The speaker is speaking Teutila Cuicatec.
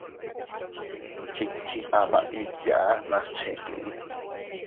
Ndichichi ama iiyaa nas cheé.